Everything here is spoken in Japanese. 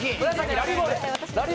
ラリーボール。